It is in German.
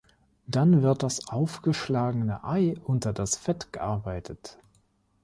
Dann wird das aufgeschlagene Ei unter das Fett gearbeitet.